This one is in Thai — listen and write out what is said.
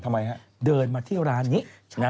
ทำไมฮะเดินมาที่ร้านนี้